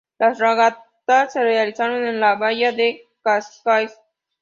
Las regatas se realizaron en la bahía de Cascaes.